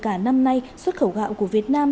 cả năm nay xuất khẩu gạo của việt nam